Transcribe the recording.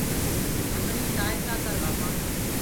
همريٚ سآهتآ ڪر ڀگوآن